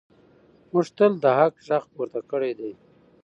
موږ تل د حق غږ پورته کړی دی.